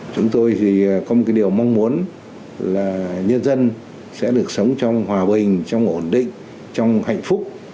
chúng tôi thì có một cái điều mong muốn là nhân dân sẽ được sống trong hòa bình trong ổn định trong hạnh phúc